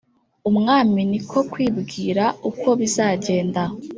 umwami niko kwibwira uko bizajyenda